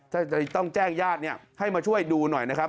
ถ้าจะต้องแจ้งญาติให้มาช่วยดูหน่อยนะครับ